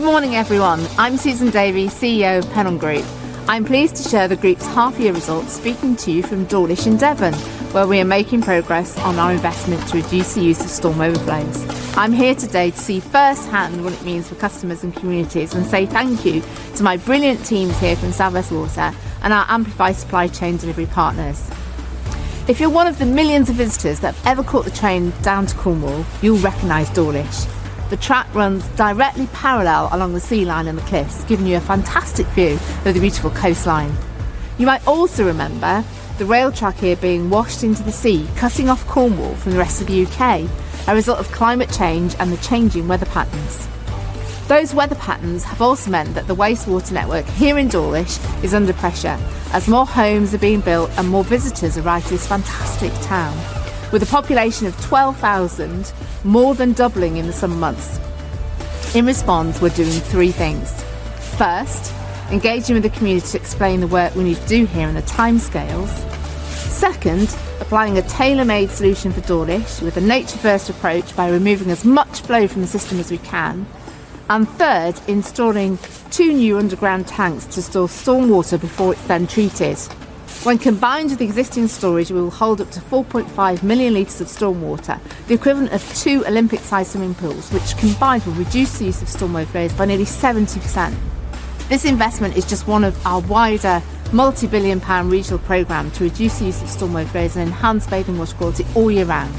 Good morning, everyone. I’m Susan Davy, CEO of Pennon Group. I’m pleased to share the Group’s half-year results, speaking to you from Dawlish in Devon, where we are making progress on our investment to reduce the use of storm overflows. I am here today to see firsthand what it means for customers and communities, and to say thank you to my brilliant teams here from South West Water and our Amplify supply chain delivery partners. If you are one of the millions of visitors who have ever caught the train down to Cornwall, you’ll recognize Dawlish. The track runs directly parallel along the sea line and the cliffs, giving you a fantastic view of the beautiful coastline. You might also remember the rail track here being washed into the sea, cutting off Cornwall from the rest of the U.K., a result of climate change and changing weather patterns. These weather patterns have also meant that the wastewater network here in Dawlish is under pressure, as more homes are being built and more visitors arrive in this fantastic town, with a population of 12,000 more than doubling in the summer months. In response, we are doing three things. First, engaging with the community to explain the work we need to do here and the time scales. Second, applying a tailor-made solution for Dawlish with a nature-first approach by removing as much flow from the system as we can. Third, installing two new underground tanks to store stormwater before it is then treated. When combined with the existing storage, we will hold up to 4.5 million litres of stormwater, the equivalent of two Olympic-sized swimming pools, which together will reduce the use of storm overflows by nearly 70%. This investment is just one of our wider multi-billion-pound regional programmes to reduce the use of storm overflows and enhance bathing water quality all year round.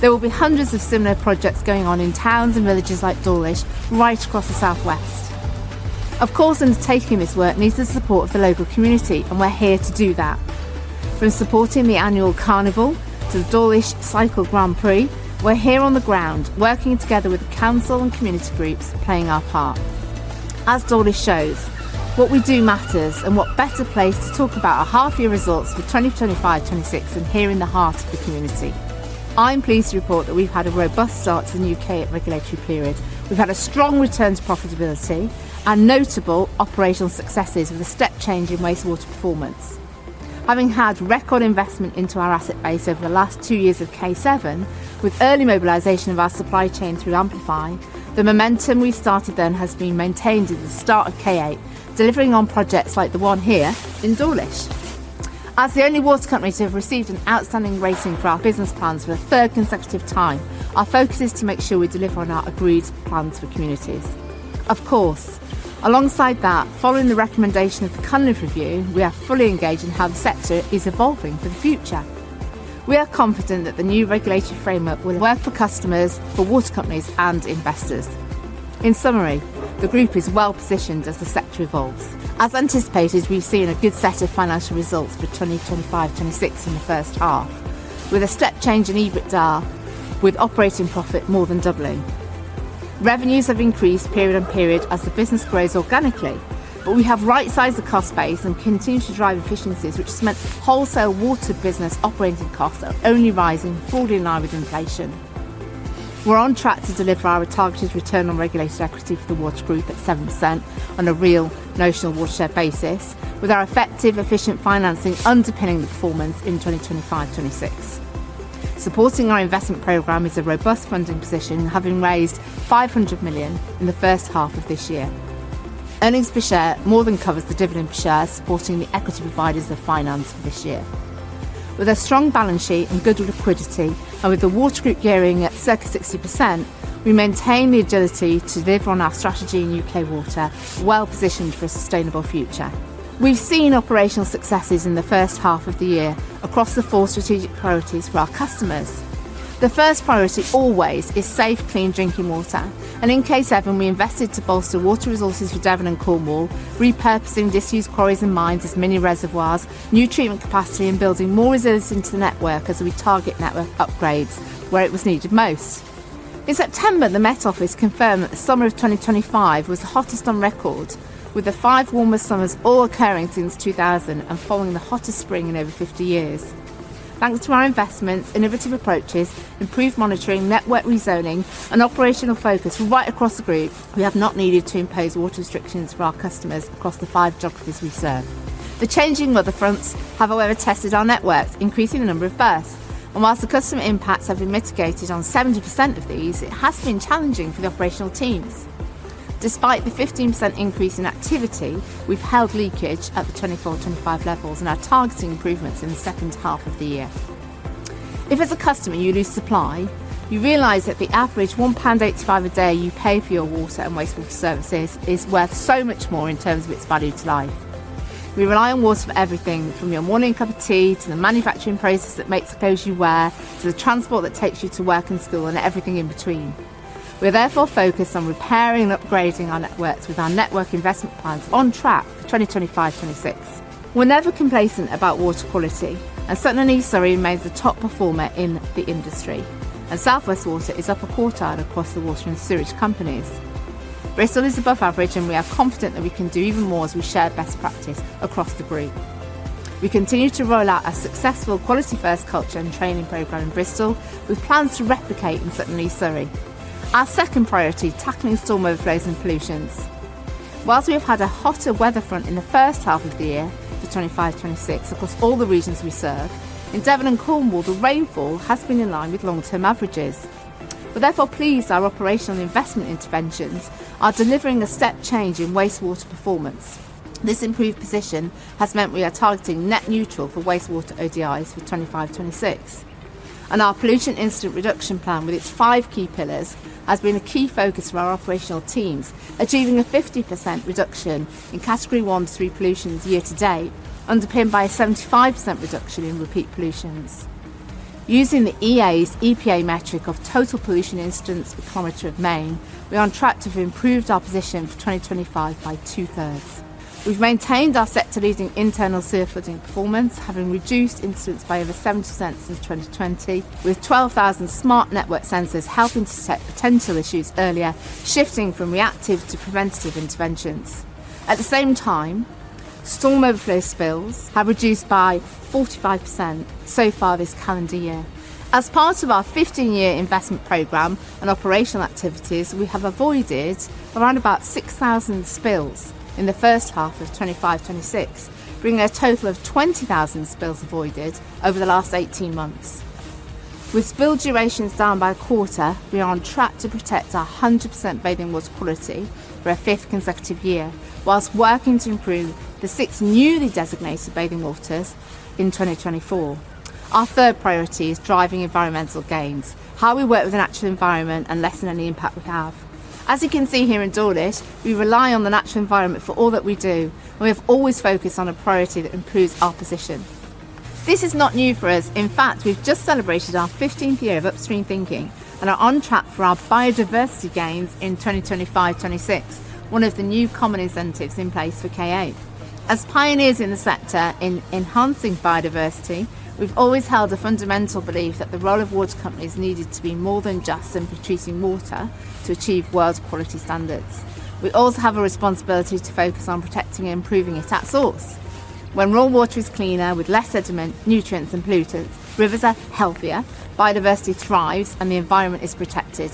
There will be hundreds of similar projects underway in towns and villages like Dawlish across the South West. Of course, undertaking this work requires the support of the local community, and we are here to do that. From supporting the annual carnival to the Dawlish Cycle Grand Prix, we are on the ground working together with the council and community groups, playing our part. As Dawlish shows, what we do matters, and what better place to talk about our half-year results for 2025–2026 than here in the heart of the community. I am pleased to report that we have had a robust start to the U.K. regulatory period, with a strong return to profitability and notable operational successes, including a step change in wastewater performance. Having had record investment into our asset base over the last two years of K7, with early mobilisation of our supply chain through Amplify, the momentum we started then has been maintained at the start of K8, delivering on projects such as the one here in Dawlish. As the only water company to have received an outstanding rating for our business plans for the third consecutive time, our focus is to ensure we deliver on our agreed plans for communities. Alongside this, following the recommendation of the Cunnon Review, we are fully engaged in the evolution of the sector. We are confident the new regulatory framework will work for customers, water companies and investors. In summary, the Group is well positioned as the sector evolves. As anticipated, we've seen a good set of financial results for 2025-2026 in the first half, with a step change in EBITDA, with operating profit more than doubling. Revenues have increased period on period as the business grows organically, but we have right-sized the cost base and continue to drive efficiencies, which has meant wholesale water business operating costs are only rising, broadly in line with inflation. We're on track to deliver our targeted return on regulated equity for the water group at 7% on a real notional Watershare basis, with our effective, efficient financing underpinning the performance in 2025-2026. Supporting our investment program is a robust funding position, having raised 500 million in the first half of this year. Earnings per share more than covers the dividend per share, supporting the equity providers of finance for this year. With a strong balance sheet and good liquidity, and with the water group gearing at circa 60%, we maintain the agility to deliver on our strategy in U.K. water, well positioned for a sustainable future. We've seen operational successes in the first half of the year across the four strategic priorities for our customers. The first priority always is safe, clean drinking water, and in K7, we invested to bolster water resources for Devon and Cornwall, repurposing disused quarries and mines as mini reservoirs, new treatment capacity, and building more resilience into the network as we target network upgrades where it was needed most. In September, the Met Office confirmed that the summer of 2025 was the hottest on record, with the five warmest summers all occurring since 2000 and following the hottest spring in over 50 years. Thanks to our investments, innovative approaches, improved monitoring, network rezoning, and operational focus right across the group, we have not needed to impose water restrictions for our customers across the five geographies we serve. The changing weather fronts have, however, tested our networks, increasing the number of bursts, and whilst the customer impacts have been mitigated on 70% of these, it has been challenging for the operational teams. Despite the 15% increase in activity, we've held leakage at the 2024-2025 levels and are targeting improvements in the second half of the year. If, as a customer, you lose supply, you realize that the average 1.85 pound a day you pay for your water and wastewater services is worth so much more in terms of its value to life. We rely on water for everything, from your morning cup of tea to the manufacturing process that makes the clothes you wear, to the transport that takes you to work and school and everything in between. We are therefore focused on repairing and upgrading our networks with our network investment plans on track for 2025-2026. We're never complacent about water quality, and Sutton and East Surrey remain the top performer in the industry, and South West Water is up a quarter across the water and sewage companies. Bristol is above average, and we are confident that we can do even more as we share best practice across the group. We continue to roll out a successful quality-first culture and training program in Bristol, with plans to replicate in Sutton and East Surrey. Our second priority is tackling storm overflows and pollutions. Whilst we have had a hotter weather front in the first half of the year, for 2025-26, across all the regions we serve, in Devon and Cornwall, the rainfall has been in line with long-term averages. We're therefore pleased our operational investment interventions are delivering a step change in wastewater performance. This improved position has meant we are targeting net neutral for wastewater ODIs for 2025-26, and our pollution incident reduction plan, with its five key pillars, has been a key focus for our operational teams, achieving a 50% reduction in category ones through pollutions year to date, underpinned by a 75% reduction in repeat pollutions. Using the EA's EPA metric of total pollution incidents per kilometer of main, we are on track to have improved our position for 2025 by two-thirds. We've maintained our sector-leading internal sewer flooding performance, having reduced incidents by over 70% since 2020, with 12,000 smart network sensors helping to detect potential issues earlier, shifting from reactive to preventative interventions. At the same time, storm overflow spills have reduced by 45% so far this calendar year. As part of our 15-year investment program and operational activities, we have avoided around about 6,000 spills in the first half of 2025-2026, bringing a total of 20,000 spills avoided over the last 18 months. With spill durations down by a quarter, we are on track to protect our 100% bathing water quality for a fifth consecutive year, whilst working to improve the six newly designated bathing waters in 2024. Our third priority is driving environmental gains, how we work with the natural environment and lessen any impact we have. As you can see here in Dawlish, we rely on the natural environment for all that we do, and we have always focused on a priority that improves our position. This is not new for us. In fact, we've just celebrated our 15th year of upstream thinking and are on track for our biodiversity gains in 2025-2026, one of the new common incentives in place for K8. As pioneers in the sector in enhancing biodiversity, we've always held a fundamental belief that the role of water companies needed to be more than just simply treating water to achieve world quality standards. We also have a responsibility to focus on protecting and improving it at source. When raw water is cleaner, with less sediment, nutrients, and pollutants, rivers are healthier, biodiversity thrives, and the environment is protected.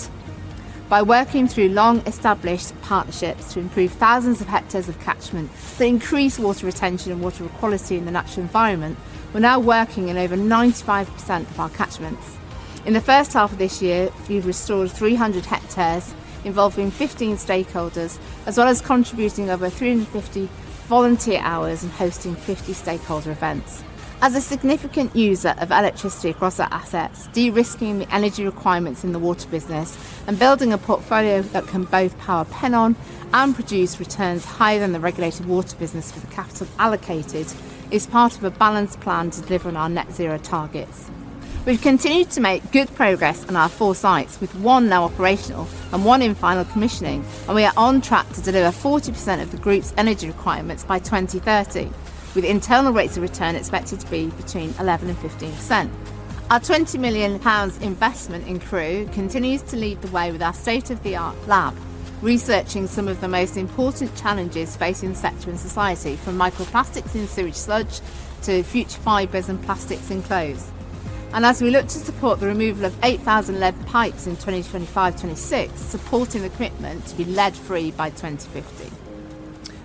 By working through long-established partnerships to improve thousands of hectares of catchment to increase water retention and water quality in the natural environment, we're now working in over 95% of our catchments. In the first half of this year, we've restored 300 hectares involving 15 stakeholders, as well as contributing over 350 volunteer hours and hosting 50 stakeholder events. As a significant user of electricity across our assets, de-risking the energy requirements in the water business and building a portfolio that can both power Pennon and produce returns higher than the regulated water business for the capital allocated is part of a balanced plan to deliver on our net zero targets. We've continued to make good progress on our four sites, with one now operational and one in final commissioning, and we are on track to deliver 40% of the group's energy requirements by 2030, with internal rates of return expected to be between 11% and 15%. Our 20 million pounds investment in crew continues to lead the way with our state-of-the-art lab, researching some of the most important challenges facing the sector and society, from microplastics in sewage sludge to future fibers and plastics in clothes. As we look to support the removal of 8,000 lead pipes in 2025-2026, supporting the commitment to be lead-free by 2050.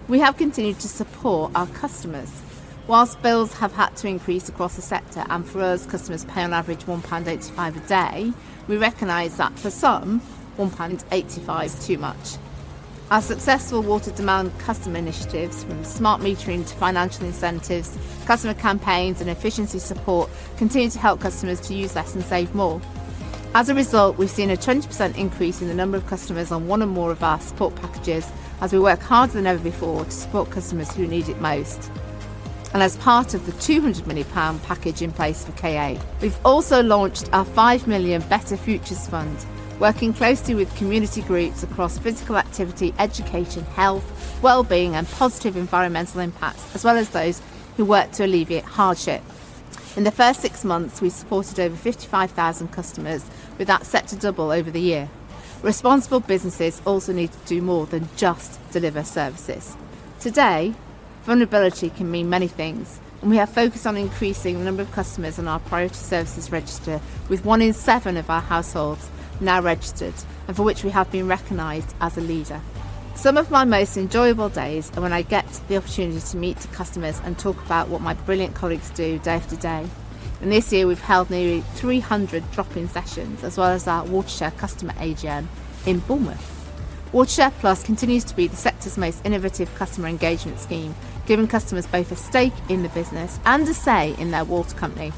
We have continued to support our customers. Whilst bills have had to increase across the sector, and for us, customers pay on average 1.85 pound a day, we recognize that for some, 1.85 pound is too much. Our successful water demand customer initiatives, from smart metering to financial incentives, customer campaigns, and efficiency support, continue to help customers to use less and save more. As a result, we've seen a 20% increase in the number of customers on one or more of our support packages as we work harder than ever before to support customers who need it most. As part of the 200 million pound package in place for K8, we've also launched our 5 million Better Futures Fund, working closely with community groups across physical activity, education, health, well-being, and positive environmental impacts, as well as those who work to alleviate hardship. In the first six months, we supported over 55,000 customers, with that set to double over the year. Responsible businesses also need to do more than just deliver services. Today, vulnerability can mean many things, and we have focused on increasing the number of customers on our priority services register, with one in seven of our households now registered and for which we have been recognized as a leader. Some of my most enjoyable days are when I get the opportunity to meet customers and talk about what my brilliant colleagues do day after day. This year, we've held nearly 300 drop-in sessions, as well as our Watershare Customer AGM in Bournemouth. Watershare Plus continues to be the sector's most innovative customer engagement scheme, giving customers both a stake in the business and a say in their water company.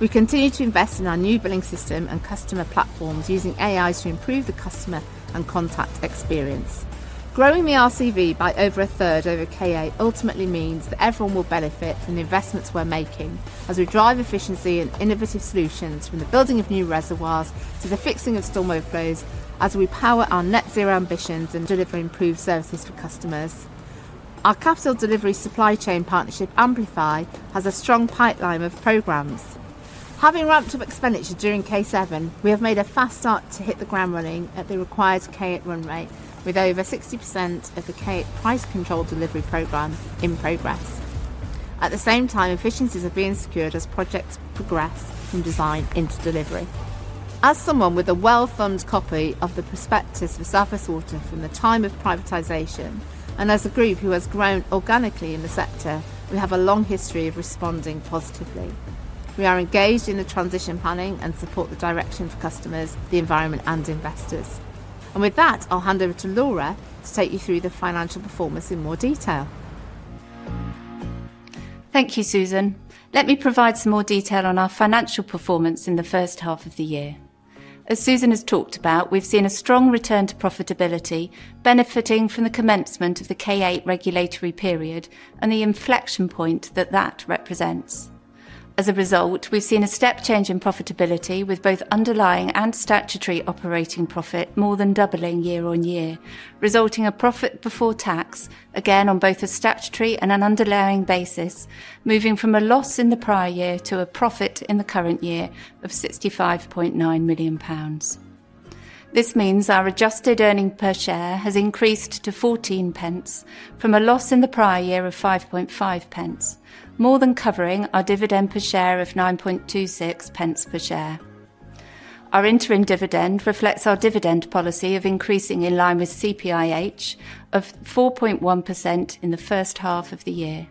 We continue to invest in our new billing system and customer platforms, using AI to improve the customer and contact experience. Growing the RCV by over a third over K8 ultimately means that everyone will benefit from the investments we're making, as we drive efficiency and innovative solutions, from the building of new reservoirs to the fixing of storm overflows, as we power our net zero ambitions and deliver improved services for customers. Our capital delivery supply chain partnership, Amplify, has a strong pipeline of programs. Having ramped up expenditure during K7, we have made a fast start to hit the ground running at the required K8 run rate, with over 60% of the K8 price control delivery program in progress. At the same time, efficiencies are being secured as projects progress from design into delivery. As someone with a well-found copy of the perspectives for surface water from the time of privatization, and as a group who has grown organically in the sector, we have a long history of responding positively. We are engaged in the transition planning and support the direction for customers, the environment, and investors. With that, I'll hand over to Laura to take you through the financial performance in more detail. Thank you, Susan. Let me provide some more detail on our financial performance in the first half of the year. As Susan has talked about, we've seen a strong return to profitability, benefiting from the commencement of the K8 regulatory period and the inflection point that that represents. As a result, we've seen a step change in profitability, with both underlying and statutory operating profit more than doubling year on year, resulting in a profit before tax, again on both a statutory and an underlying basis, moving from a loss in the prior year to a profit in the current year of 65.9 million pounds. This means our adjusted earnings per share has increased to 0.14 from a loss in the prior year of 5.50, more than covering our dividend per share of 9.26 per share. Our interim dividend reflects our dividend policy of increasing in line with CPIH of 4.1% in the first half of the year.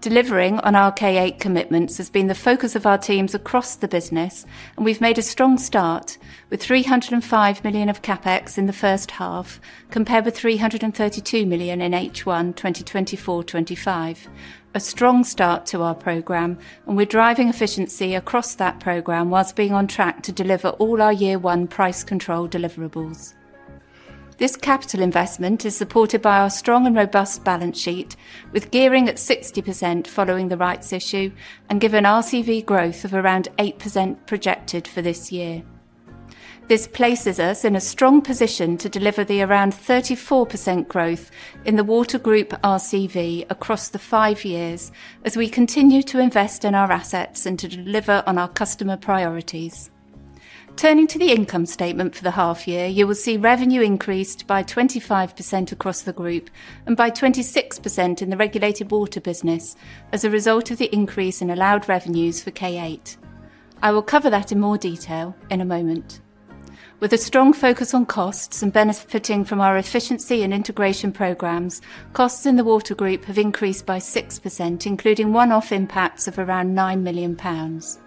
Delivering on our K8 commitments has been the focus of our teams across the business, and we've made a strong start with 305 million of CapEx in the first half, compared with 332 million in H1 2024-2025. A strong start to our program, and we're driving efficiency across that program whilst being on track to deliver all our year one price control deliverables. This capital investment is supported by our strong and robust balance sheet, with gearing at 60% following the rights issue and given RCV growth of around 8% projected for this year. This places us in a strong position to deliver the around 34% growth in the Water Group RCV across the five years as we continue to invest in our assets and to deliver on our customer priorities. Turning to the income statement for the half year, you will see revenue increased by 25% across the group and by 26% in the regulated water business as a result of the increase in allowed revenues for K8. I will cover that in more detail in a moment. With a strong focus on costs and benefiting from our efficiency and integration programs, costs in the Water Group have increased by 6%, including one-off impacts of around 9 million pounds.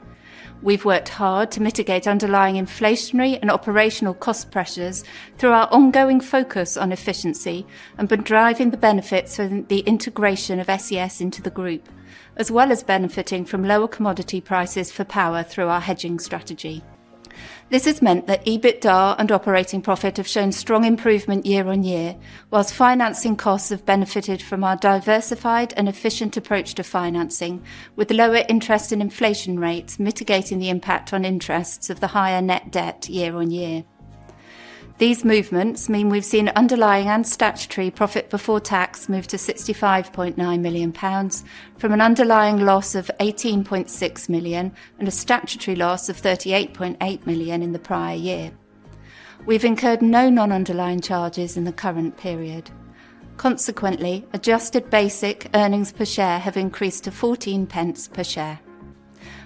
We've worked hard to mitigate underlying inflationary and operational cost pressures through our ongoing focus on efficiency and been driving the benefits for the integration of Sutton and East Surrey Water into the group, as well as benefiting from lower commodity prices for power through our hedging strategy. This has meant that EBITDA and operating profit have shown strong improvement year on year, whilst financing costs have benefited from our diversified and efficient approach to financing, with lower interest and inflation rates mitigating the impact on interests of the higher net debt year on year. These movements mean we've seen underlying and statutory profit before tax move to 65.9 million pounds from an underlying loss of 18.6 million and a statutory loss of 38.8 million in the prior year. We've incurred no non-underlying charges in the current period. Consequently, adjusted basic earnings per share have increased to 0.14 per share.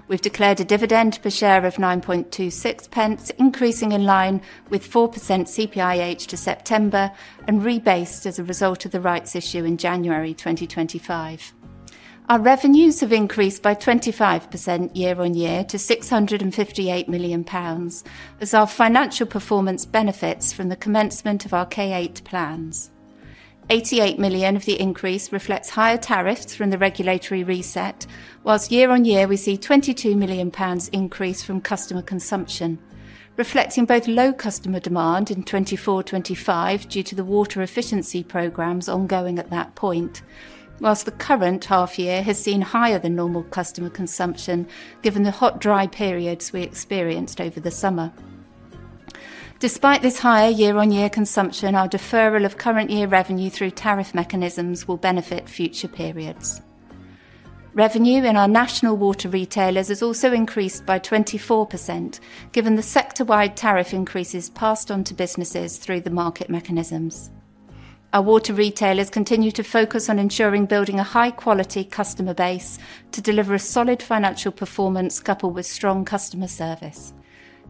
We've declared a dividend per share of 9.26, increasing in line with 4% CPIH to September and rebased as a result of the rights issue in January 2025. Our revenues have increased by 25% year on year to 658 million pounds, as our financial performance benefits from the commencement of our K8 plans. 88 million of the increase reflects higher tariffs from the regulatory reset, whilst year on year we see a 22 million pounds increase from customer consumption, reflecting both low customer demand in 2024-2025 due to the water efficiency programs ongoing at that point, whilst the current half year has seen higher than normal customer consumption given the hot dry periods we experienced over the summer. Despite this higher year-on-year consumption, our deferral of current year revenue through tariff mechanisms will benefit future periods. Revenue in our national water retailers has also increased by 24%, given the sector-wide tariff increases passed on to businesses through the market mechanisms. Our water retailers continue to focus on ensuring building a high-quality customer base to deliver a solid financial performance coupled with strong customer service.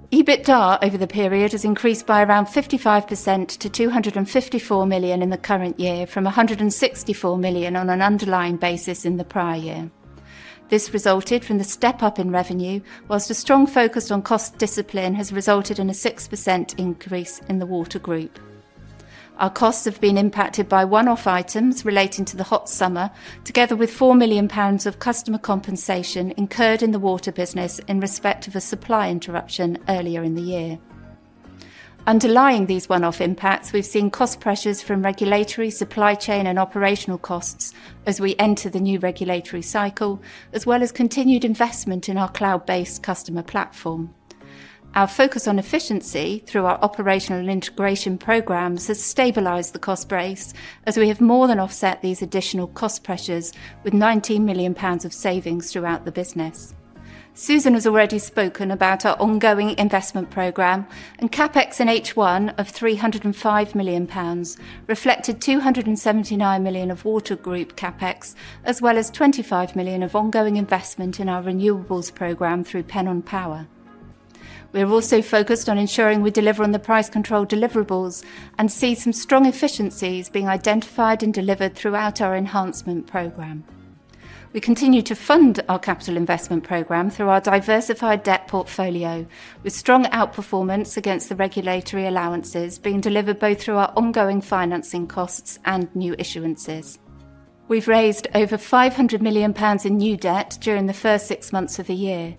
EBITDA over the period has increased by around 55% to 254 million in the current year, from 164 million on an underlying basis in the prior year. This resulted from the step up in revenue, whilst a strong focus on cost discipline has resulted in a 6% increase in the Water Group. Our costs have been impacted by one-off items relating to the hot summer, together with 4 million pounds of customer compensation incurred in the water business in respect of a supply interruption earlier in the year. Underlying these one-off impacts, we've seen cost pressures from regulatory, supply chain, and operational costs as we enter the new regulatory cycle, as well as continued investment in our cloud-based customer platform. Our focus on efficiency through our operational and integration programs has stabilized the cost base as we have more than offset these additional cost pressures with 19 million pounds of savings throughout the business. Susan has already spoken about our ongoing investment program, and CapEx in H1 of 305 million pounds reflected 279 million of Water Group CapEx, as well as 25 million of ongoing investment in our renewables program through Pennon Power. We are also focused on ensuring we deliver on the price control deliverables and see some strong efficiencies being identified and delivered throughout our enhancement program. We continue to fund our capital investment program through our diversified debt portfolio, with strong outperformance against the regulatory allowances being delivered both through our ongoing financing costs and new issuances. We have raised over 500 million pounds in new debt during the first six months of the year.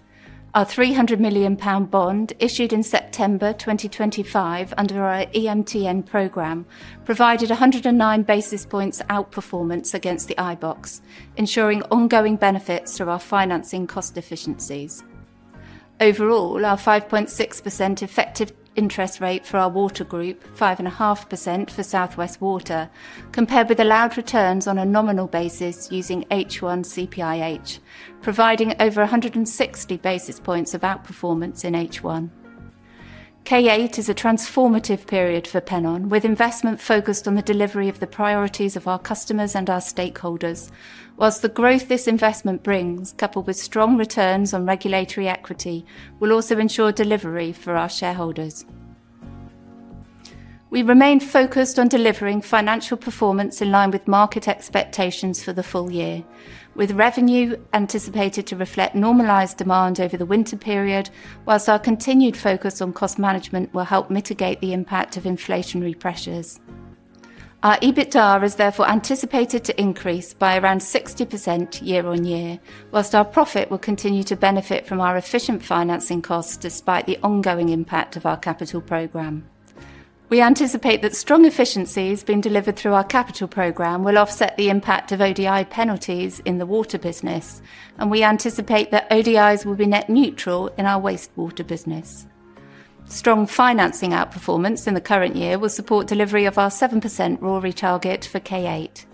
Our 300 million pound bond, issued in September 2025 under our EMTN program, provided 109 basis points outperformance against the IBOX, ensuring ongoing benefits through our financing cost efficiencies. Overall, our 5.6% effective interest rate for our Water Group, 5.5% for South West Water, compared with allowed returns on a nominal basis using H1 CPIH, providing over 160 basis points of outperformance in H1. K8 is a transformative period for Pennon, with investment focused on the delivery of the priorities of our customers and our stakeholders, whilst the growth this investment brings, coupled with strong returns on regulatory equity, will also ensure delivery for our shareholders. We remain focused on delivering financial performance in line with market expectations for the full year, with revenue anticipated to reflect normalized demand over the winter period, whilst our continued focus on cost management will help mitigate the impact of inflationary pressures. Our EBITDA is therefore anticipated to increase by around 60% year on year, whilst our profit will continue to benefit from our efficient financing costs despite the ongoing impact of our capital program. We anticipate that strong efficiencies being delivered through our capital program will offset the impact of ODI penalties in the water business, and we anticipate that ODIs will be net neutral in our wastewater business. Strong financing outperformance in the current year will support delivery of our 7% RORE target for K8.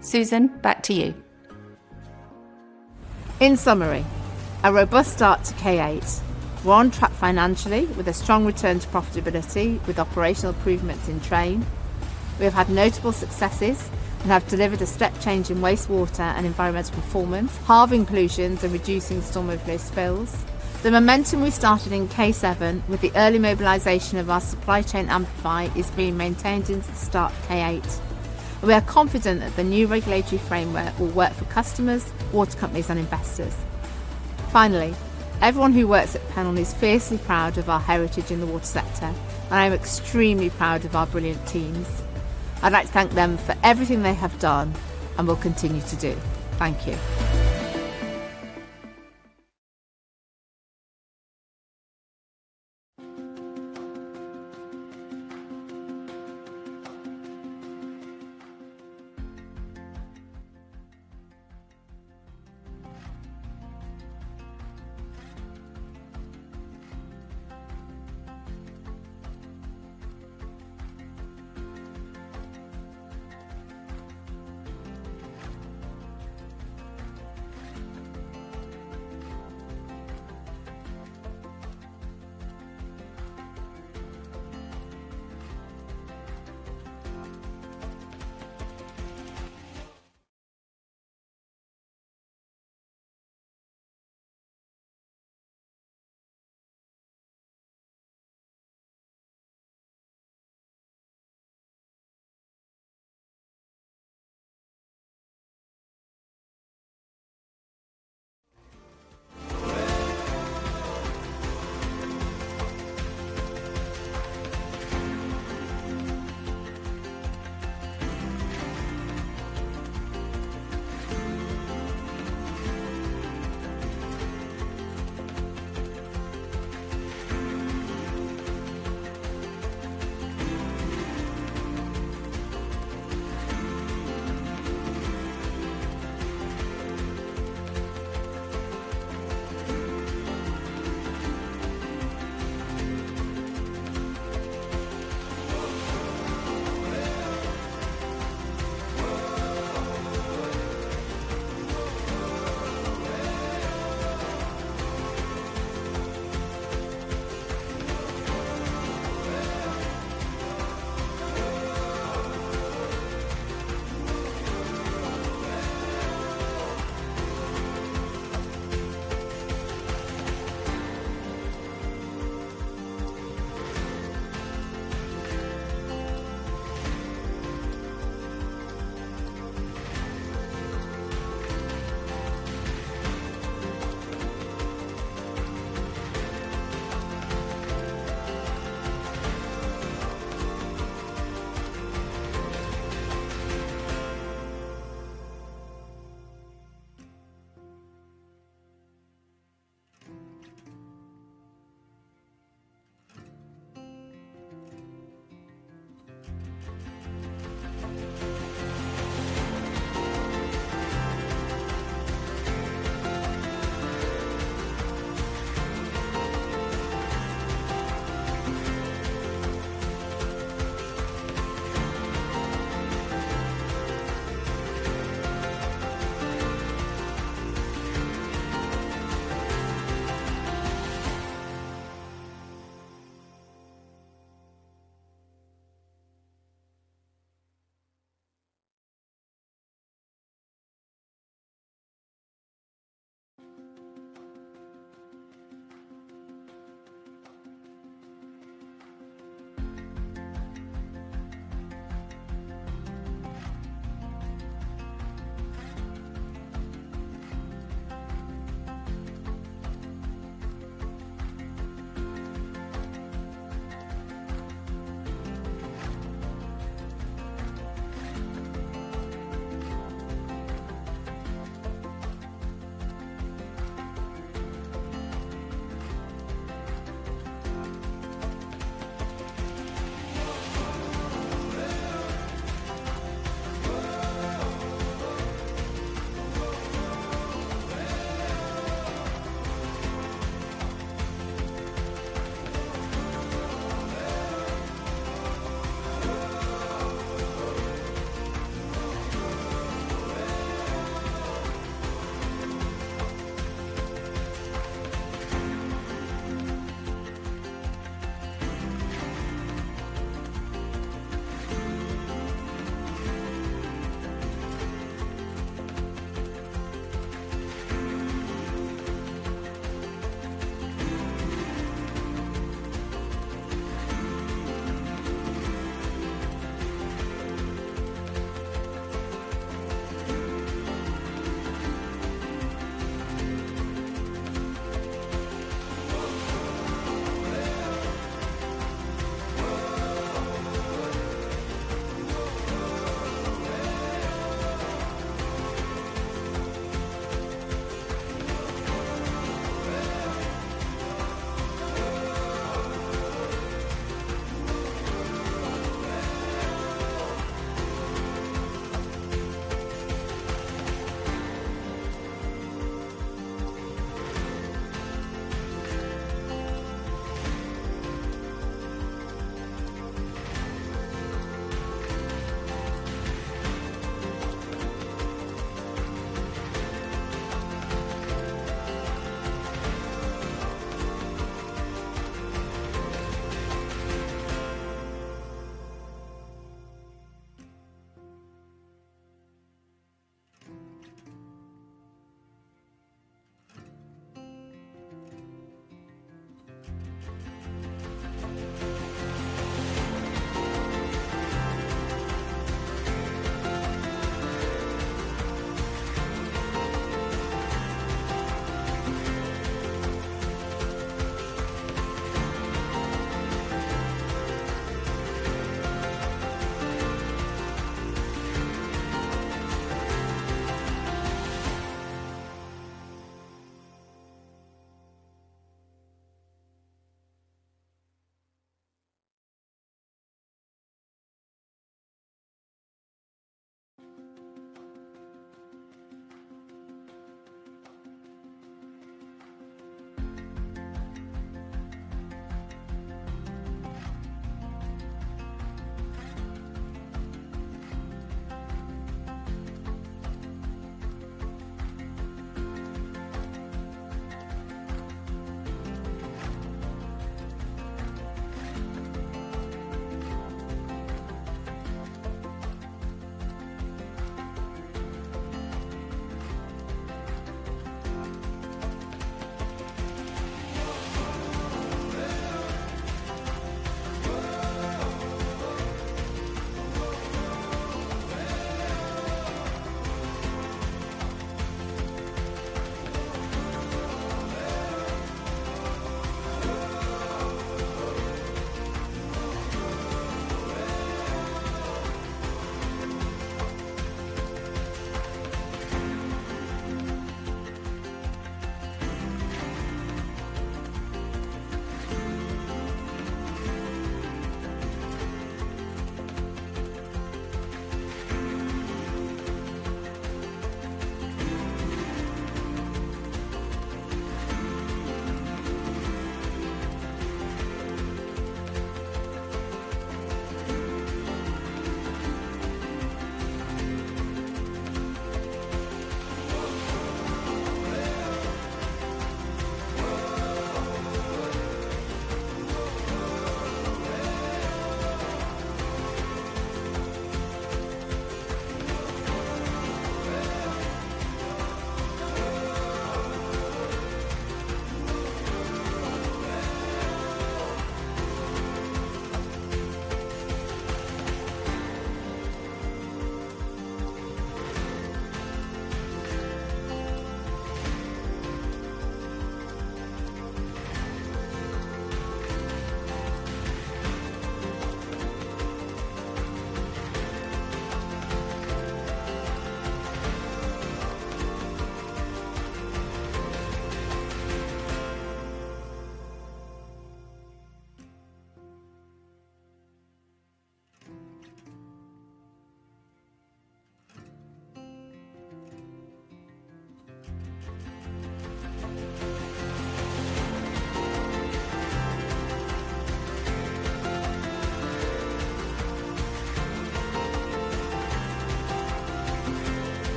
Susan, back to you. In summary, a robust start to K8, well on track financially with a strong return to profitability with operational improvements in train. We have had notable successes and have delivered a step change in wastewater and environmental performance, hard inclusions and reducing storm overflow spills. The momentum we started in K7 with the early mobilization of our supply chain amplifier is being maintained into the start of K8. We are confident that the new regulatory framework will work for customers, water companies, and investors. Finally, everyone who works at Pennon is fiercely proud of our heritage in the water sector, and I am extremely proud of our brilliant teams. I'd like to thank them for everything they have done and will continue to do. Thank you.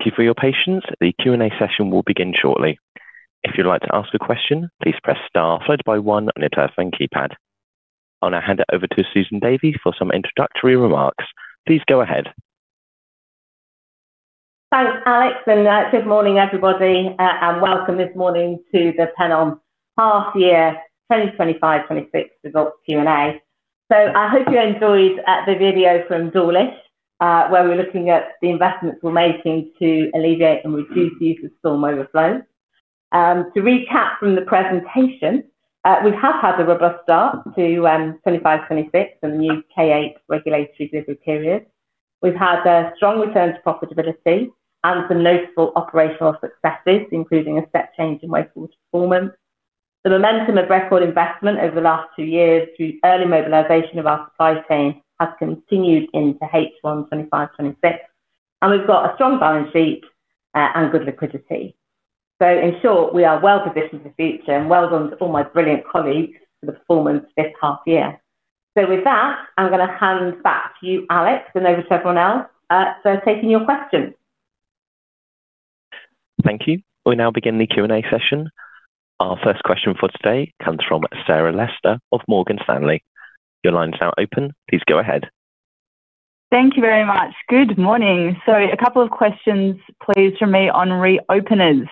Thank you for your patience. The Q&A session will begin shortly. If you'd like to ask a question, please press STAR, followed by 1 on your telephone keypad. I'll now hand it over to Susan Davy for some introductory remarks. Please go ahead. Thanks, Alex, and good morning, everybody, and welcome this morning to the Pennon half-year 2025-2026 results Q&A. I hope you enjoyed the video from Dawlish, where we're looking at the investments we're making to alleviate and reduce the use of storm overflows. To recap from the presentation, we have had a robust start to 2025-2026 and the new K8 regulatory delivery period. We've had a strong return to profitability and some notable operational successes, including a step change in wastewater performance. The momentum of record investment over the last two years through early mobilization of our supply chain has continued into H1 2025-2026, and we've got a strong balance sheet and good liquidity. In short, we are well positioned for the future, and well done to all my brilliant colleagues for the performance this half-year. With that, I'm going to hand back to you, Alex, and over to everyone else for taking your questions. Thank you. We now begin the Q&A session. Our first question for today comes from Sarah Lester of Morgan Stanley. Your line is now open. Please go ahead. Thank you very much. Good morning. A couple of questions, please, from me on reopeners.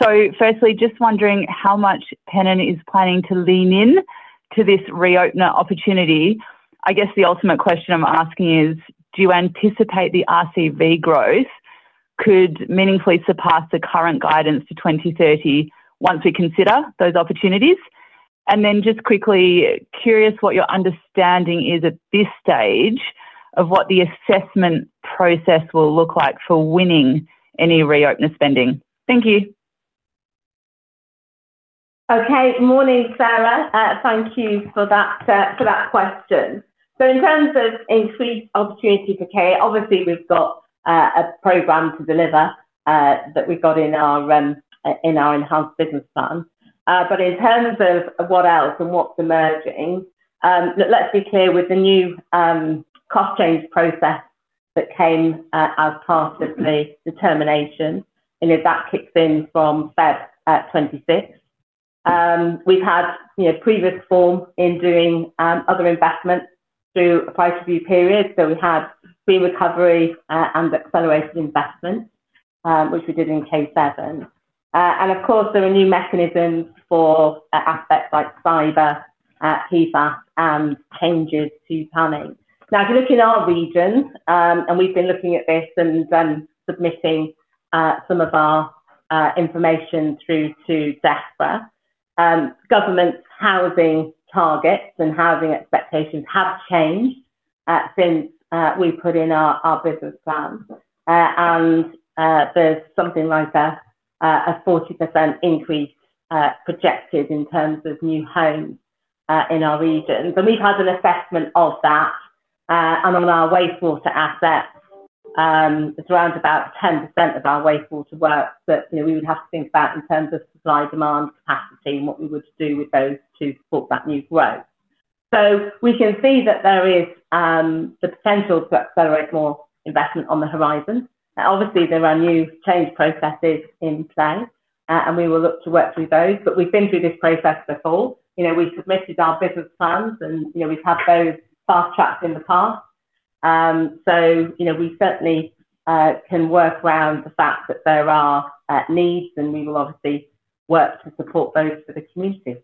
Firstly, just wondering how much Pennon is planning to lean into this reopener opportunity. I guess the ultimate question I'm asking is, do you anticipate the RCV growth could meaningfully surpass the current guidance for 2030 once we consider those opportunities? Just quickly, curious what your understanding is at this stage of what the assessment process will look like for winning any reopener spending. Thank you. Okay, morning, Sarah. Thank you for that question. In terms of increased opportunity for care, obviously we've got a program to deliver that we've got in our in-house business plan. In terms of what else and what's emerging, let's be clear with the new cost change process that came as part of the determination, and that kicks in from February 2026. We've had previous form in doing other investments through a price review period, so we had pre-recovery and accelerated investments, which we did in K7. Of course, there are new mechanisms for aspects like cyber, PFAS, and changes to planning. Now, if you look in our region, and we've been looking at this and submitting some of our information through to DEFRA, government housing targets and housing expectations have changed since we put in our business plan. There's something like a 40% increase projected in terms of new homes in our region. We have had an assessment of that, and on our wastewater assets, it is around 10% of our wastewater work that we would have to think about in terms of supply-demand capacity and what we would do with those to support that new growth. We can see that there is the potential to accelerate more investment on the horizon. Obviously, there are new change processes in play, and we will look to work through those, but we have been through this process before. We submitted our business plans, and we have had those fast-tracked in the past. We certainly can work around the fact that there are needs, and we will obviously work to support those for the community.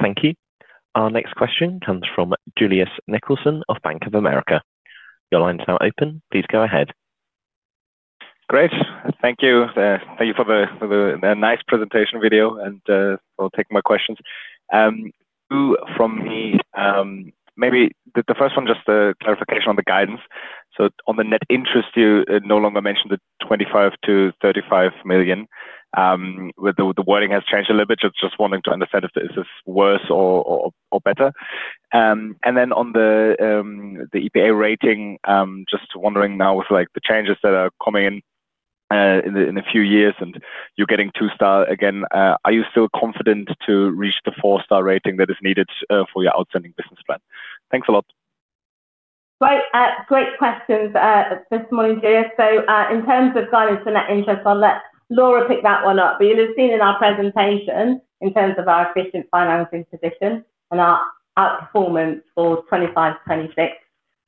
Thank you. Our next question comes from Julius Nicholson of Bank of America. Your line is now open. Please go ahead. Great. Thank you. Thank you for the nice presentation video and for taking my questions. Two from me. Maybe the first one, just a clarification on the guidance. On the net interest, you no longer mentioned the 25 million-35 million. The wording has changed a little bit. Just wanting to understand if it's worse or better. On the EPA rating, just wondering now with the changes that are coming in a few years and you're getting two-star again, are you still confident to reach the four-star rating that is needed for your outstanding business plan? Thanks a lot. Great questions. Just morning, Julius. In terms of guidance for net interest, I'll let Laura pick that one up. You'll have seen in our presentation in terms of our efficient financing position and our outperformance for 2025-2026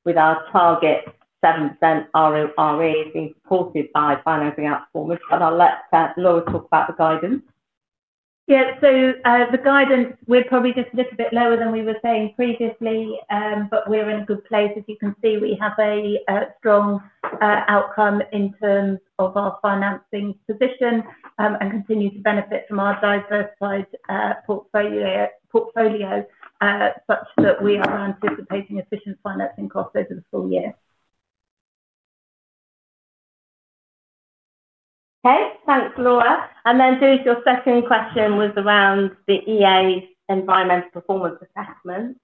with our target 7% RORE being supported by financing outperformance. I'll let Laura talk about the guidance. Yeah, so the guidance, we're probably just a little bit lower than we were saying previously, but we're in a good place. As you can see, we have a strong outcome in terms of our financing position and continue to benefit from our diversified portfolio such that we are anticipating efficient financing costs over the full year. Okay, thanks, Laura. Julius, your second question was around the EA's environmental performance assessment.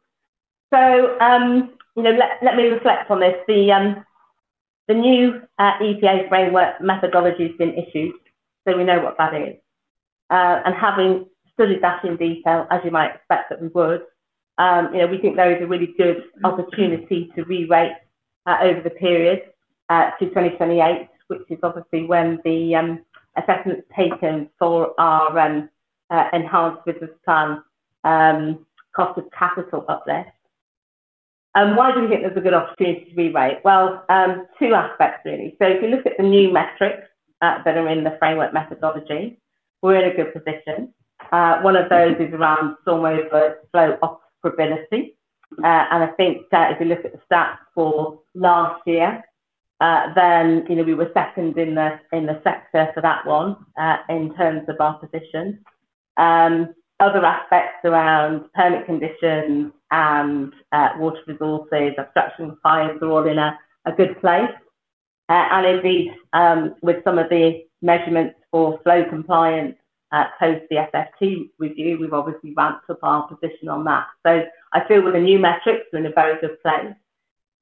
Let me reflect on this. The new EPA framework methodology has been issued, so we know what that is. Having studied that in detail, as you might expect that we would, we think there is a really good opportunity to re-rate over the period to 2028, which is obviously when the assessment's taken for our enhanced business plan cost of capital uplift. Why do we think there's a good opportunity to re-rate? Two aspects, really. If you look at the new metrics that are in the framework methodology, we're in a good position. One of those is around storm overflow operability. I think if you look at the stats for last year, we were second in the sector for that one in terms of our position. Other aspects around permit conditions and water resources, obstructions, fires are all in a good place. Indeed, with some of the measurements for flow compliance post the FFT review, we've obviously ramped up our position on that. I feel with the new metrics, we're in a very good place.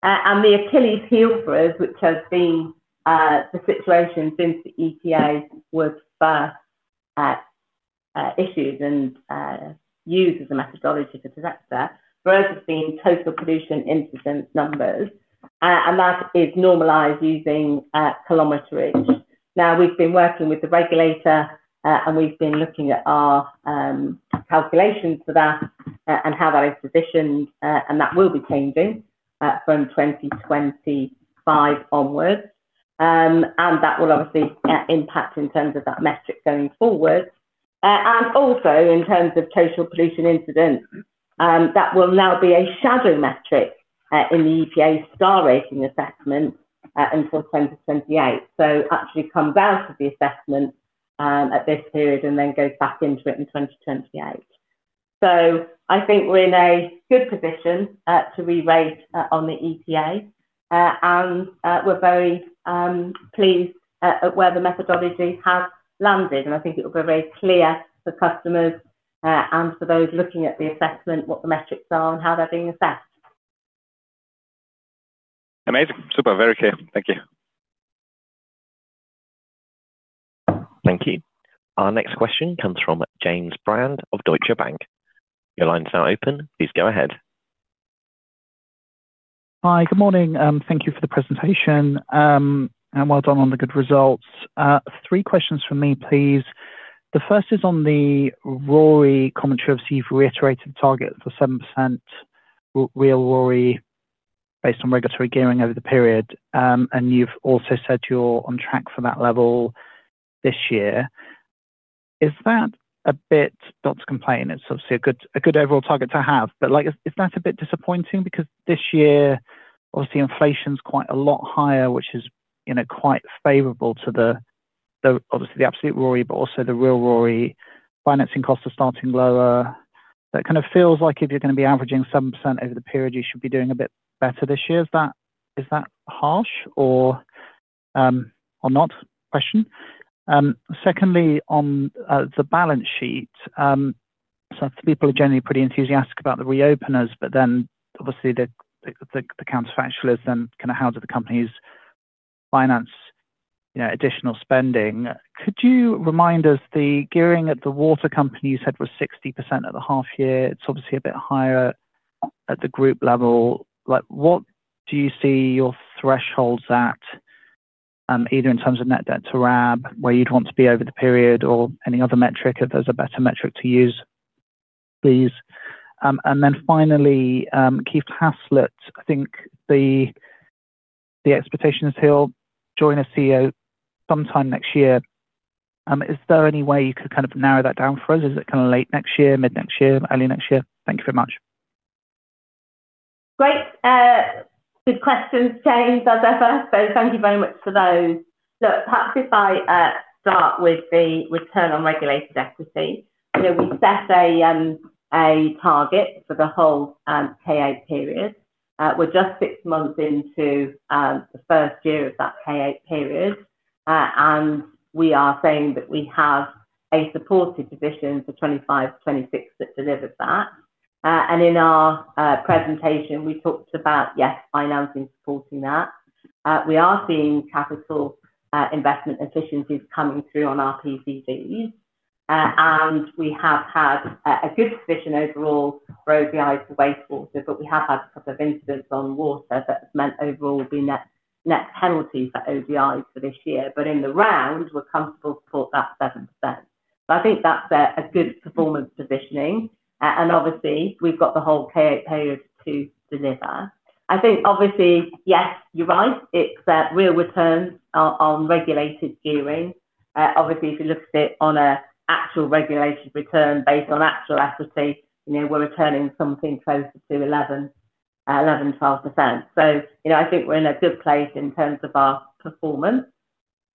The Achilles heel for us, which has been the situation since the EPA was first issued and used as a methodology for today, for us has been total pollution incident numbers. That is normalized using kilometerage. We have been working with the regulator, and we have been looking at our calculations for that and how that is positioned, and that will be changing from 2025 onwards. That will obviously impact in terms of that metric going forward. Also, in terms of total pollution incidents, that will now be a shadow metric in the EPA star rating assessment until 2028. It actually comes out of the assessment at this period and then goes back into it in 2028. I think we are in a good position to re-rate on the EPA. We are very pleased at where the methodology has landed. I think it will be very clear for customers and for those looking at the assessment what the metrics are and how they're being assessed. Amazing. Super. Very clear. Thank you. Thank you. Our next question comes from James Brand of Deutsche Bank. Your line is now open. Please go ahead. Hi, good morning. Thank you for the presentation and well done on the good results. Three questions from me, please. The first is on the RORE commentary of Steve reiterated target for 7% real RORE based on regulatory gearing over the period. And you've also said you're on track for that level this year. Is that a bit not to complain? It's obviously a good overall target to have. But is that a bit disappointing? Because this year, obviously, inflation's quite a lot higher, which is quite favorable to obviously the absolute RORE, but also the real RORE financing costs are starting lower. That kind of feels like if you're going to be averaging 7% over the period, you should be doing a bit better this year. Is that harsh or not? Question. Secondly, on the balance sheet, some people are generally pretty enthusiastic about the reopeners, but then obviously the counterfactual is then kind of how do the companies finance additional spending. Could you remind us the gearing at the water company you said was 60% at the half-year? It's obviously a bit higher at the group level. What do you see your thresholds at, either in terms of net debt to RAB, where you'd want to be over the period, or any other metric if there's a better metric to use, please? Finally, Keith Haslett, I think the expectation is he'll join us here sometime next year. Is there any way you could kind of narrow that down for us? Is it kind of late next year, mid next year, early next year? Thank you very much. Great. Good questions, James, as ever. Thank you very much for those. Look, perhaps if I start with the return on regulated equity. We set a target for the whole K8 period. We are just six months into the first year of that K8 period. We are saying that we have a supported position for 2025-2026 that delivers that. In our presentation, we talked about, yes, financing supporting that. We are seeing capital investment efficiencies coming through on our PVVs. We have had a good position overall for ODIs for wastewater, but we have had a couple of incidents on water that have meant overall the net penalty for ODIs for this year. In the round, we're comfortable to support that 7%. I think that's a good performance positioning. Obviously, we've got the whole K8 period to deliver. I think obviously, yes, you're right. It's real returns on regulated gearing. Obviously, if you look at it on an actual regulated return based on actual equity, we're returning something closer to 11-12%. I think we're in a good place in terms of our performance.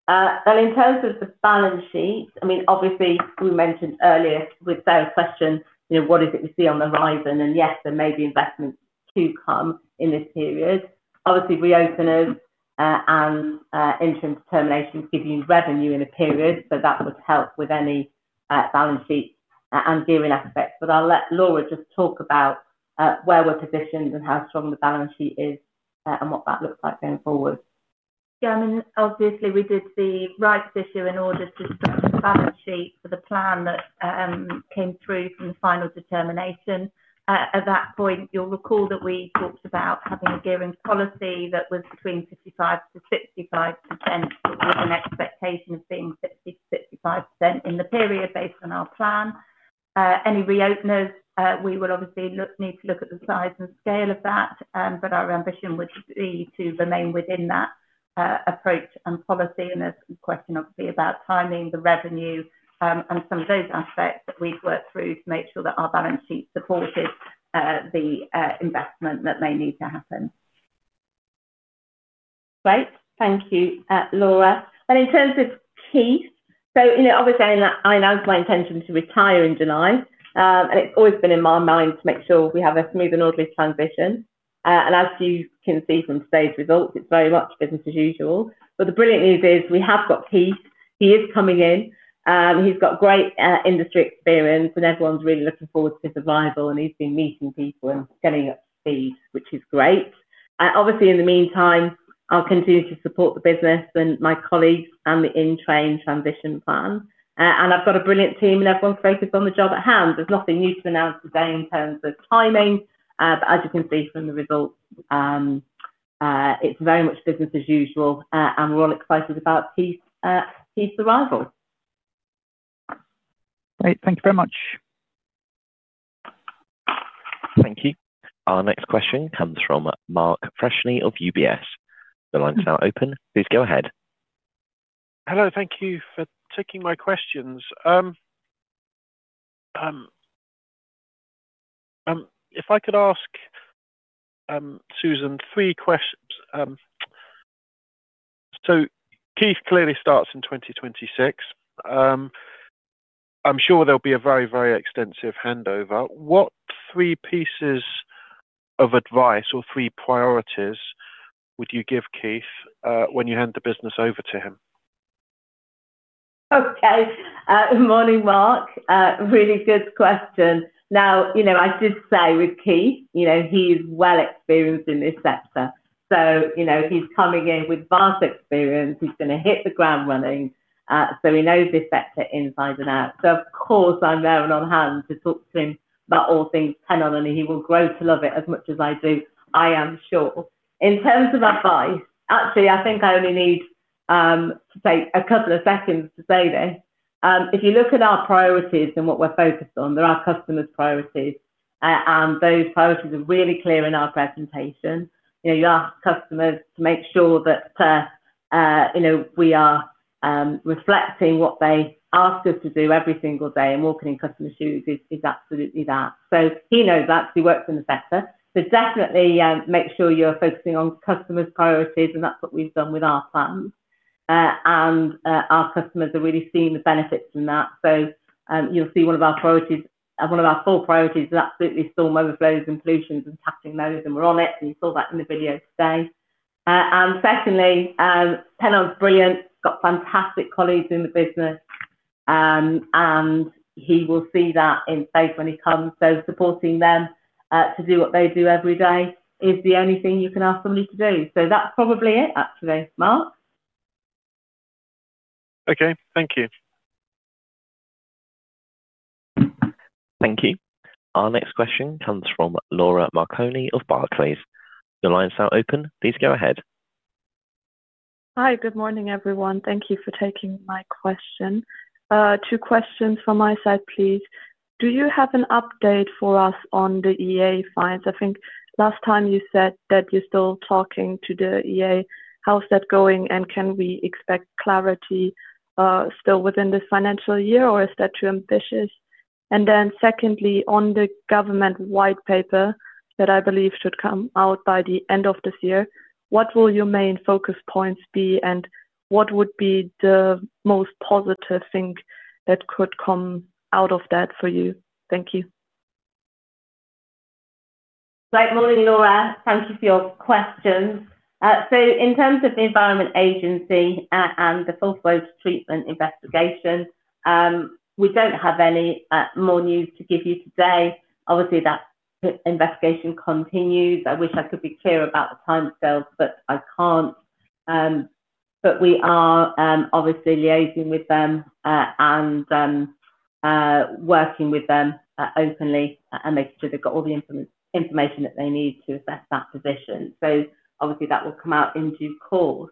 In terms of the balance sheet, I mean, obviously, we mentioned earlier with Sarah's question, what is it we see on the horizon? Yes, there may be investments to come in this period. Obviously, reopeners and interim determinations give you revenue in a period, so that would help with any balance sheet and gearing aspects. I'll let Laura just talk about where we're positioned and how strong the balance sheet is and what that looks like going forward. Yeah, I mean, obviously, we did the rights issue in order to structure the balance sheet for the plan that came through from the final determination. At that point, you'll recall that we talked about having a gearing policy that was between 55-65%, with an expectation of being 50-65% in the period based on our plan. Any reopeners, we will obviously need to look at the size and scale of that, but our ambition would be to remain within that approach and policy. There is a question, obviously, about timing, the revenue, and some of those aspects that we've worked through to make sure that our balance sheet supported the investment that may need to happen. Great. Thank you, Laura. In terms of Keith, obviously, I announced my intention to retire in July. It has always been in my mind to make sure we have a smooth and orderly transition. As you can see from today's results, it is very much business as usual. The brilliant news is we have got Keith. He is coming in. He has got great industry experience, and everyone's really looking forward to his arrival, and he has been meeting people and getting up to speed, which is great. Obviously, in the meantime, I will continue to support the business and my colleagues and the in-train transition plan. I've got a brilliant team, and everyone's focused on the job at hand. There's nothing new to announce today in terms of timing. As you can see from the results, it's very much business as usual, and we're all excited about Keith's arrival. Great. Thank you very much. Thank you. Our next question comes from Mark Freshney of UBS. The line is now open. Please go ahead. Hello. Thank you for taking my questions. If I could ask Susan, three questions. Keith clearly starts in 2026. I'm sure there'll be a very, very extensive handover. What three pieces of advice or three priorities would you give Keith when you hand the business over to him? Good morning, Mark. Really good question. I should say with Keith, he's well experienced in this sector. He's coming in with vast experience. He's going to hit the ground running. He knows this sector inside and out. Of course, I'm there and on hand to talk to him about all things Pennon. He will grow to love it as much as I do, I am sure. In terms of advice, actually, I think I only need to take a couple of seconds to say this. If you look at our priorities and what we're focused on, they are customers' priorities. Those priorities are really clear in our presentation. You ask customers to make sure that we are reflecting what they ask us to do every single day, and walking in customer shoes is absolutely that. He knows that because he works in the sector. Definitely make sure you're focusing on customers' priorities, and that's what we've done with our plans. Our customers are really seeing the benefits in that. You'll see one of our priorities, one of our four priorities, is absolutely storm overflows and pollutions and tapping those. We're on it, and you saw that in the video today. Secondly, Pennon's brilliant. Got fantastic colleagues in the business. He will see that in spades when he comes. Supporting them to do what they do every day is the only thing you can ask somebody to do. That's probably it, actually. Mark? Okay. Thank you. Thank you. Our next question comes from Laura Marconi of Barclays. The line is now open. Please go ahead. Hi, good morning, everyone. Thank you for taking my question. Two questions from my side, please. Do you have an update for us on the EA fines? I think last time you said that you're still talking to the EA. How's that going? Can we expect clarity still within this financial year, or is that too ambitious? Secondly, on the government white paper that I believe should come out by the end of this year, what will your main focus points be, and what would be the most positive thing that could come out of that for you? Thank you. Right. Morning, Laura. Thank you for your questions. In terms of the Environment Agency and the full-fledged treatment investigation, we don't have any more news to give you today. Obviously, that investigation continues. I wish I could be clear about the timescales, but I can't. We are obviously liaising with them and working with them openly and making sure they've got all the information that they need to assess that position. Obviously, that will come out in due course.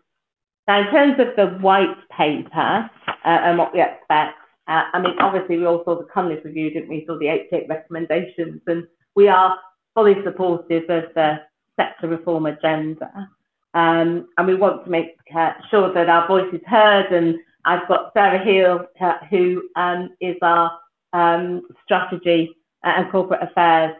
Now, in terms of the white paper and what we expect, I mean, obviously, we all saw the Cummings review, did not we? We saw the 88 recommendations, and we are fully supportive of the sector reform agenda. We want to make sure that our voice is heard. I have got Sarah Hill, who is our Strategy and Corporate Affairs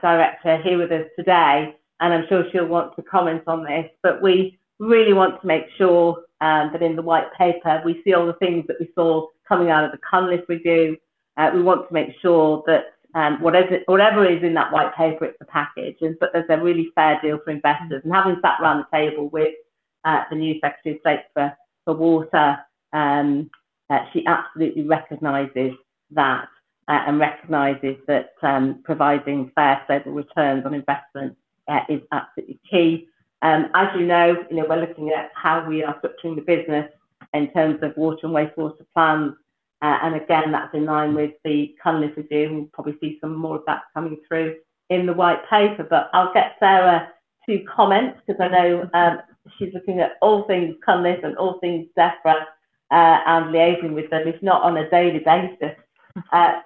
Director, here with us today. I am sure she will want to comment on this. We really want to make sure that in the white paper, we see all the things that we saw coming out of the Cummings review. We want to make sure that whatever is in that white paper, it is a package. There is a really fair deal for investors. Having sat around the table with the new Secretary of State for Water, she absolutely recognizes that and recognizes that providing fair, stable returns on investment is absolutely key. As you know, we're looking at how we are structuring the business in terms of water and wastewater plans. That is in line with the Cummings review. We'll probably see some more of that coming through in the white paper. I'll get Sarah to comment because I know she's looking at all things Cummings and all things Zephra and liaising with them, if not on a daily basis,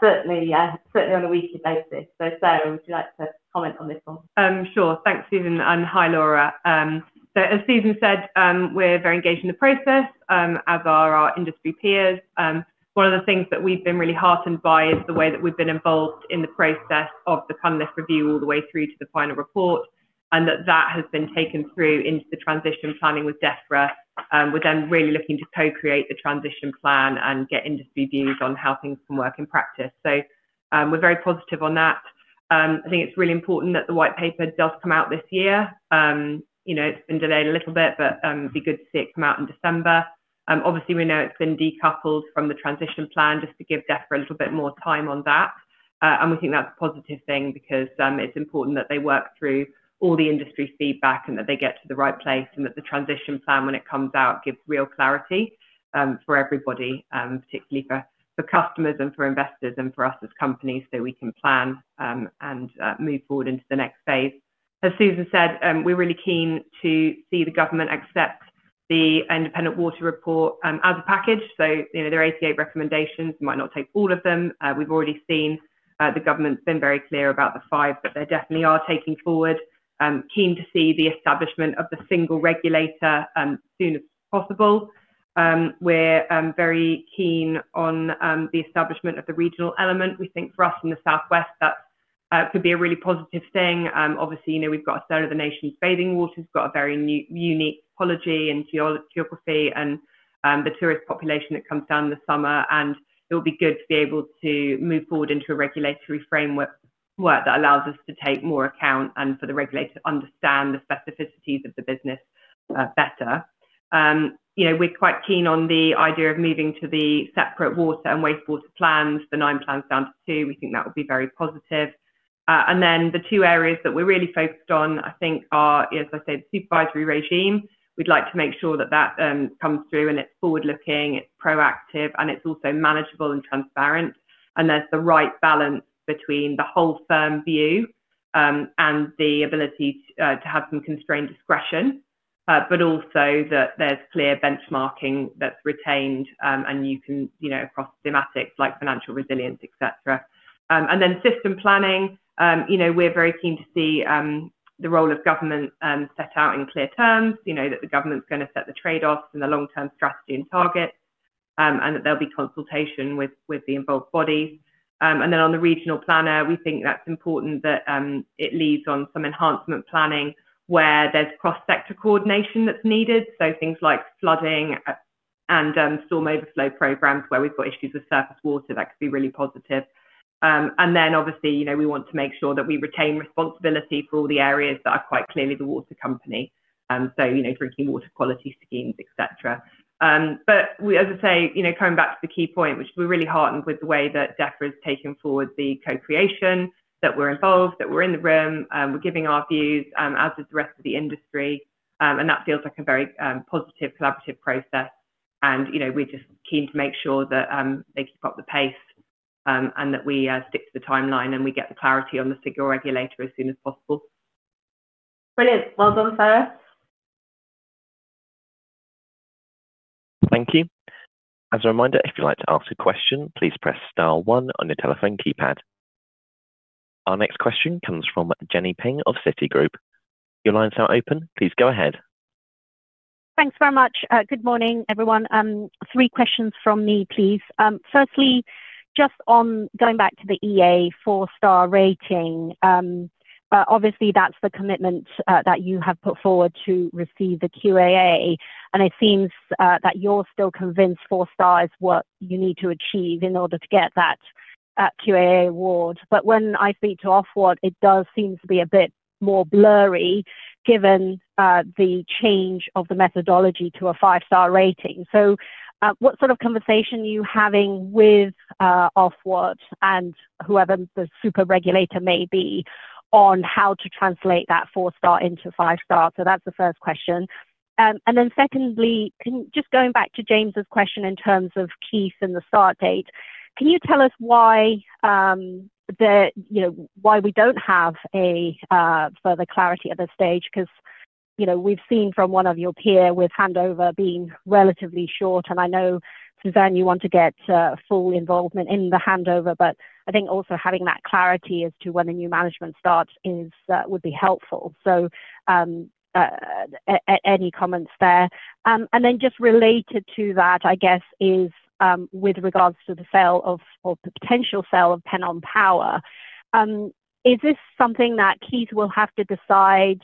certainly on a weekly basis. Sarah, would you like to comment on this one? Sure. Thanks, Susan. Hi, Laura. As Susan said, we're very engaged in the process, as are our industry peers. One of the things that we've been really heartened by is the way that we've been involved in the process of the Cummings review all the way through to the final report, and that that has been taken through into the transition planning with Zephra. We're then really looking to co-create the transition plan and get industry views on how things can work in practice. We are very positive on that. I think it's really important that the white paper does come out this year. It's been delayed a little bit, but it'd be good to see it come out in December. Obviously, we know it's been decoupled from the transition plan just to give Zephra a little bit more time on that. We think that's a positive thing because it's important that they work through all the industry feedback and that they get to the right place and that the transition plan, when it comes out, gives real clarity for everybody, particularly for customers and for investors and for us as companies so we can plan and move forward into the next phase. As Susan said, we're really keen to see the government accept the independent water report as a package. There are 88 recommendations. We might not take all of them. We've already seen the government's been very clear about the five, but they definitely are taking forward. Keen to see the establishment of the single regulator as soon as possible. We're very keen on the establishment of the regional element. We think for us in the Southwest, that could be a really positive thing. Obviously, we've got a third of the nation's bathing waters. We've got a very unique topology and geography and the tourist population that comes down in the summer. It will be good to be able to move forward into a regulatory framework that allows us to take more account and for the regulator to understand the specificities of the business better. We're quite keen on the idea of moving to the separate water and wastewater plans, the nine plans down to two. We think that will be very positive. The two areas that we're really focused on, I think, are, as I said, the supervisory regime. We'd like to make sure that that comes through and it's forward-looking, it's proactive, and it's also manageable and transparent. There is the right balance between the whole firm view and the ability to have some constrained discretion, but also that there is clear benchmarking that is retained and you can across thematics like financial resilience, etc. System planning is very important. We are very keen to see the role of government set out in clear terms, that the government is going to set the trade-offs and the long-term strategy and targets, and that there will be consultation with the involved bodies. On the regional planner, we think it is important that it leads on some enhancement planning where there is cross-sector coordination that is needed. Things like flooding and storm overflow programs where we have issues with surface water could be really positive. Obviously, we want to make sure that we retain responsibility for all the areas that are quite clearly the water company. Drinking water quality schemes, etc. As I say, coming back to the key point, which we're really heartened with the way that Zephra is taking forward the co-creation, that we're involved, that we're in the room, we're giving our views as is the rest of the industry. That feels like a very positive, collaborative process. We're just keen to make sure that they keep up the pace and that we stick to the timeline and we get the clarity on the SIGA regulator as soon as possible. Brilliant. Well done, Sarah. Thank you. As a reminder, if you'd like to ask a question, please press star one on your telephone keypad. Our next question comes from Jenny Ping of Citigroup. Your lines are open. Please go ahead. Thanks very much. Good morning, everyone. Three questions from me, please. Firstly, just on going back to the EA four-star rating, obviously, that's the commitment that you have put forward to receive the QAA. It seems that you're still convinced four stars is what you need to achieve in order to get that QAA award. When I speak to Ofwat, it does seem to be a bit more blurry given the change of the methodology to a five-star rating. What sort of conversation are you having with Ofwat and whoever the super regulator may be on how to translate that four-star into five-star? That's the first question. Secondly, just going back to James's question in terms of Keith and the start date, can you tell us why we don't have further clarity at this stage? We've seen from one of your peers with handover being relatively short. I know, Susan, you want to get full involvement in the handover, but I think also having that clarity as to when the new management starts would be helpful. Any comments there? Just related to that, I guess, is with regards to the sale of the potential sale of Pennon Power, is this something that Keith will have to decide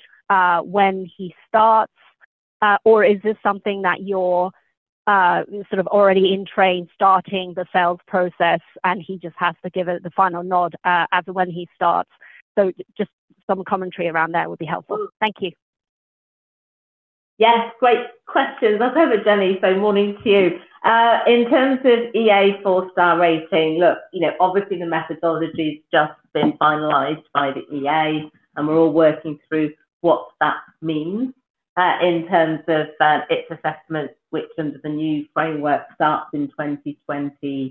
when he starts, or is this something that you're sort of already in train starting the sales process and he just has to give it the final nod as to when he starts? Just some commentary around that would be helpful. Thank you. Yeah. Great questions. I've heard it, Jenny. Morning to you. In terms of EA four-star rating, look, obviously, the methodology has just been finalized by the EA, and we're all working through what that means in terms of its assessment, which under the new framework starts in 2026.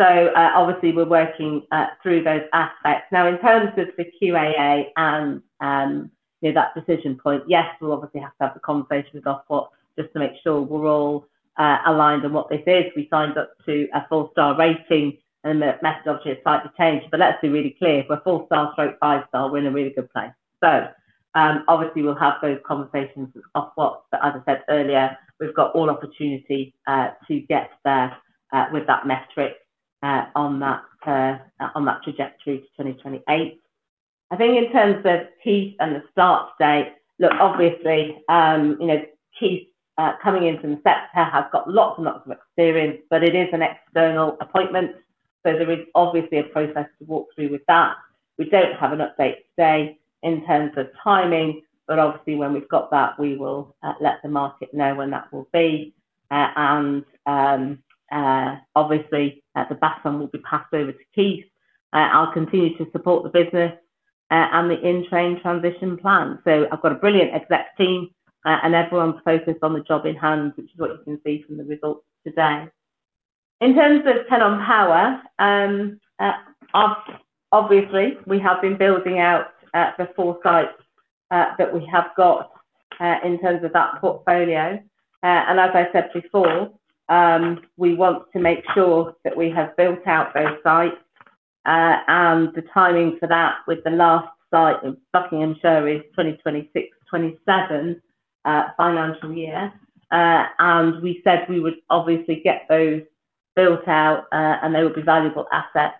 Obviously, we're working through those aspects. Now, in terms of the QAA and that decision point, yes, we'll obviously have to have the conversation with Ofwat just to make sure we're all aligned on what this is. We signed up to a four-star rating, and the methodology has slightly changed. Let's be really clear, if we're four-star/five-star, we're in a really good place. Obviously, we'll have those conversations with Ofwat. As I said earlier, we've got all opportunity to get there with that metric on that trajectory to 2028. I think in terms of Keith and the start date, look, obviously, Keith coming into the sector has got lots and lots of experience, but it is an external appointment. There is obviously a process to walk through with that. We do not have an update today in terms of timing, but obviously, when we have got that, we will let the market know when that will be. Obviously, the baton will be passed over to Keith. I will continue to support the business and the in-train transition plan. I have got a brilliant exec team, and everyone's focused on the job in hand, which is what you can see from the results today. In terms of Pennon Power, obviously, we have been building out the four sites that we have got in terms of that portfolio. As I said before, we want to make sure that we have built out those sites. The timing for that with the last site of Buckinghamshire is the 2026-2027 financial year. We said we would obviously get those built out, and they will be valuable assets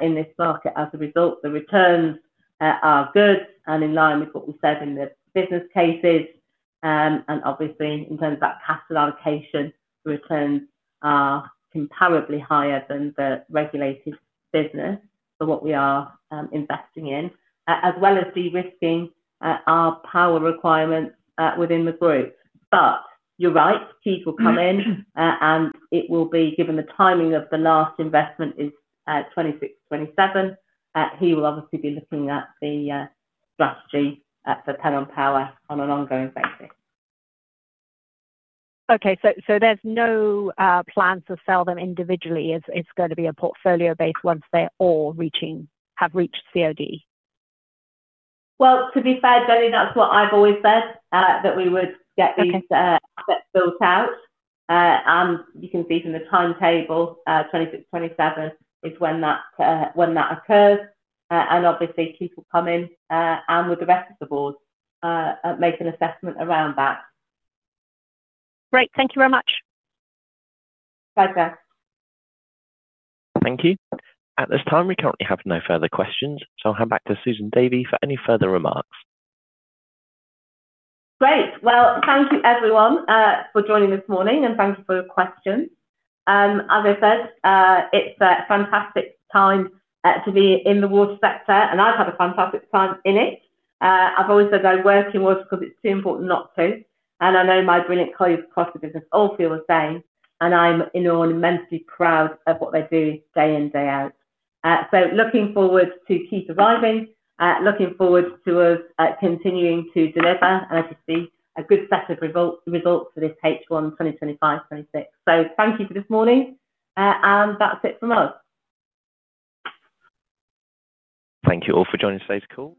in this market as a result. The returns are good and in line with what we said in the business cases. Obviously, in terms of that capital allocation, the returns are comparably higher than the regulated business for what we are investing in, as well as de-risking our power requirements within the group. You're right, Keith will come in, and it will be given the timing of the last investment is 2026-2027. He will obviously be looking at the strategy for Pennon Power on an ongoing basis. There are no plans to sell them individually. It's going to be a portfolio based once they all have reached COD? To be fair, Jenny, that's what I've always said, that we would get these assets built out. You can see from the timetable, 2026-2027 is when that occurs. Obviously, Keith will come in and with the rest of the board make an assessment around that. Great. Thank you very much. Bye, sir. Thank you. At this time, we currently have no further questions. I'll hand back to Susan Davy for any further remarks. Great. Thank you, everyone, for joining this morning, and thank you for your questions. As I said, it's a fantastic time to be in the water sector, and I've had a fantastic time in it. I've always said I work in water because it's too important not to. I know my brilliant colleagues across the business all feel the same. I am enormously proud of what they do day in, day out. I am looking forward to Keith arriving, looking forward to us continuing to deliver, and I can see a good set of results for this H1 2025-2026. Thank you for this morning. That is it from us. Thank you all for joining today's call.